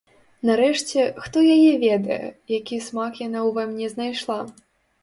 Нарэшце, хто яе ведае, які смак яна ўва мне знайшла.